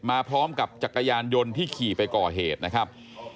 มาพร้อมกับจักรยานยนต์ที่ขี่ไปก่อเหตุนะครับ